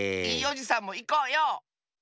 いいおじさんもいこうよ！